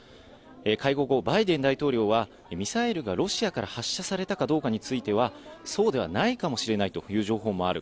会合後、バイデン大統領はミサイルがロシアから発射されたかどうかについては、そうではないかもしれないという情報もある。